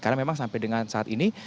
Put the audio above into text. karena memang sampai dengan saat ini